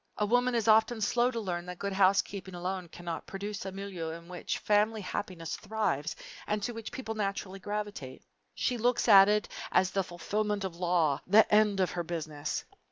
A woman is often slow to learn that good housekeeping alone cannot produce a milieu in which family happiness thrives and to which people naturally gravitate. She looks at it as the fulfillment of the law the end of her Business.